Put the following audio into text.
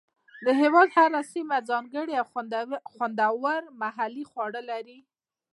د هېواد هره سیمه ځانګړي او خوندور محلي خواړه لري.